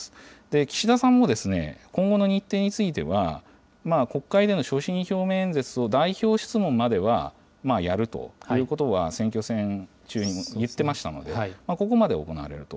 岸田さんも今後の日程については、国会での所信表明演説と代表質問までは、やるということは、選挙戦中に言ってましたので、ここまで行われると。